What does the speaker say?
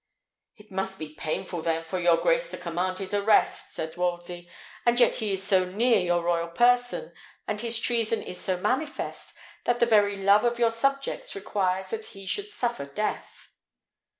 "It must be painful, then, for your grace to command his arrest," said Wolsey; "and yet he is so near your royal person, and his treason is so manifest, that the very love of your subjects requires that he should suffer death."